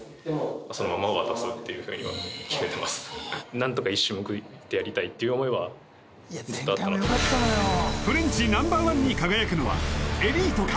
なんとか一矢報いてやりたいっていう思いはずっとあったのでフレンチＮｏ．１に輝くのはエリートか？